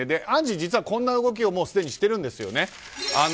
アンジー、実はこんな動きをもうすでにしてるんですよね。